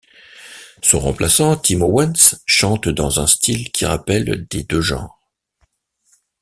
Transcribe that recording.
Son remplaçant Tim Owens, chante dans un style qui rappelle des deux genres.